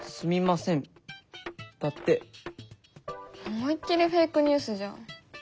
思いっ切りフェイクニュースじゃん。